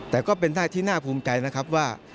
แต่ก็เป็นได้ที่น่าภูมิใจนะครับว่า